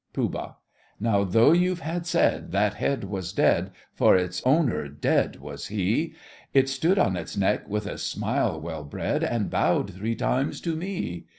POOH. Now though you'd have said that head was dead (For its owner dead was he), It stood on its neck, with a smile well bred, And bowed three times to me!